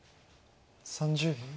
３０秒。